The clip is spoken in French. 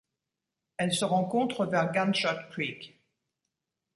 Elle se rencontre vers Gunshot Creek.